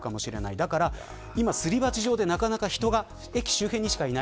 だから今すり鉢状でなかなか人が駅周辺にしかいない。